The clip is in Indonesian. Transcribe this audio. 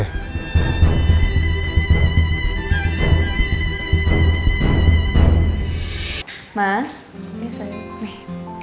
tadi aku sama rena bikin jus alpuk